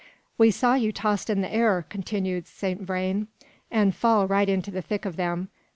"We saw you tossed in the air," continued Saint Vrain, "and fall right into the thick of them.